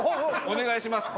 お願いします